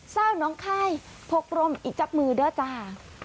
เศร้าน้องค่ายพกรมอีกจับมือเด้อจ้า